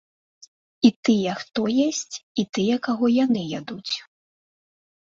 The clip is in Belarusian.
І тыя, хто есць, і тыя, каго яны ядуць.